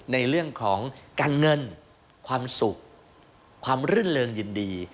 ในเรื่องของการเงินความสุขความรื่นเริงยินดี